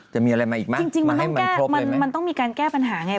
จะมีอะไรมาอีกมั้ยมาให้มันครบจริงมันต้องมีการแก้ปัญหาไง